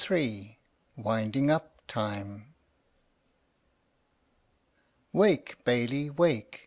WINDING UP TIME. "Wake, baillie, wake!